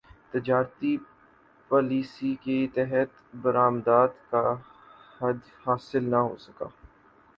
تجارتی پالیسی کے تحت برامدات کا ہدف حاصل نہ ہوسکا